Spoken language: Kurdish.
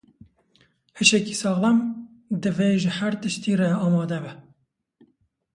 Hişekî saxlem, divê ji her tiştî re amade be.